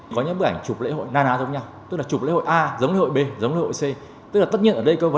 có những bức ảnh chụp lễ hội na na giống nhau tức là chụp lễ hội a giống lễ hội b giống lễ hội c